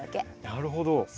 なるほど。